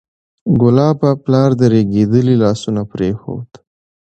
کلابه! پلار دې رېږدېدلي لاسونه پرېښود